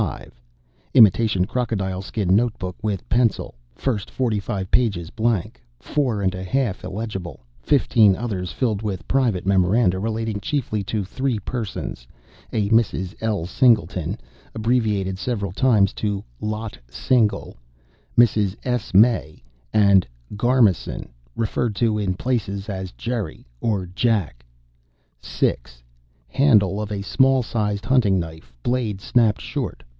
Imitation crocodile skin notebook with pencil. First forty five pages blank; four and a half illegible; fifteen others filled with private memoranda relating chiefly to three persons a Mrs.L. Singleton, abbreviated several times to "Lot Single," "Mrs. S. May," and "Garmison," referred to in places as "Jerry" or "Jack." 6. Handle of small sized hunting knife. Blade snapped short.